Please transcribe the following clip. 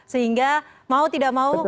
sehingga mau tidak mau